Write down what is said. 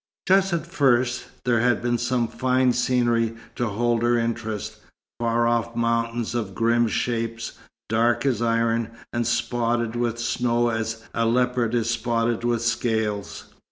Just at first, there had been some fine scenery to hold her interest; far off mountains of grim shapes, dark as iron, and spotted with snow as a leper is spotted with scales.